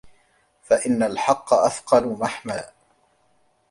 فَإِنَّ الْحَقَّ أَثْقَلُ مَحْمَلًا